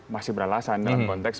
masih beralasan dalam konteks